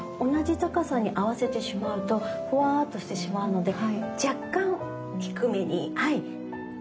同じ高さに合わせてしまうとポワーっとしてしまうので若干低めに。